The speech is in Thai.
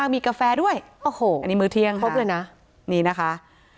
อันนี้มื้อเที่ยงครับ